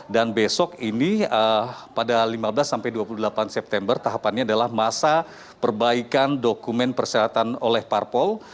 dan besok ini pada lima belas dua puluh delapan september tahapannya adalah masa perbaikan dokumen persyaratan oleh parpol